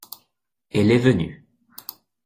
Elle est venue.